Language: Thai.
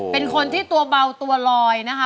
เป็นคนที่ตัวเบาตัวลอยนะคะ